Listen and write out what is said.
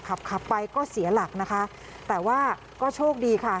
ขับขับไปก็เสียหลักนะคะแต่ว่าก็โชคดีค่ะ